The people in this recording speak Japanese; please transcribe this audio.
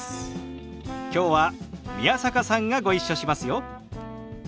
きょうは宮坂さんがご一緒しますよ。